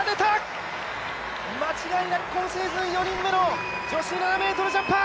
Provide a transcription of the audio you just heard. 間違いなく今シーズン４人目の女子７ｍジャンパー！